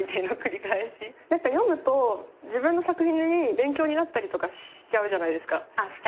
何か読むと自分の作品に勉強になったりとかしちゃうじゃないですか。